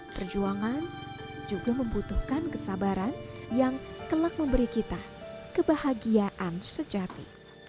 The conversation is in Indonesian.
perjuangan juga membutuhkan kesabaran yang telah memberi kita kebahagiaan sejati